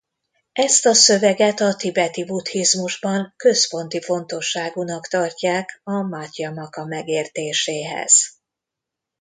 Ezt a szöveget a tibeti buddhizmusban központi fontosságúnak tartják a madhjamaka megértéséhez.